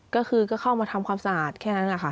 ก็คือก็เข้ามาทำความสะอาดแค่นั้นแหละค่ะ